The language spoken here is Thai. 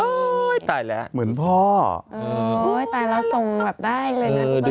เฮ้ยตายแล้วเหมือนพ่อตายแล้วทรงแบบได้เลยนะ